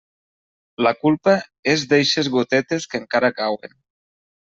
La culpa és d'eixes gotetes que encara cauen.